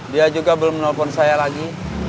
dia juga belum menelpon saya lagi